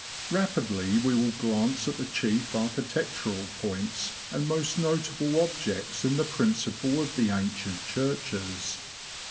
Rapidly we will glance at the chief architectural points and most notable objects in the principal of the ancient churches.